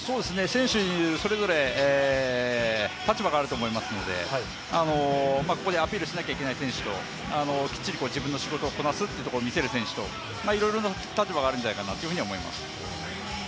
選手、それぞれ立場があると思いますので、ここでアピールしなきゃいけない選手ときっちり自分の仕事をこなすっていう選手といろいろな立場があるんじゃないかなと思います。